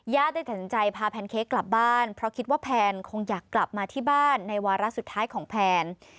ได้ตัดสินใจพาแพนเค้กกลับบ้านเพราะคิดว่าแพนคงอยากกลับมาที่บ้านในวาระสุดท้ายของแพน